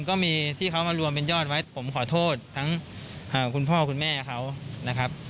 ก็มีที่เขามารวมเป็นยอดไว้ผมขอโทษทั้งคุณพ่อคุณแม่เขานะครับ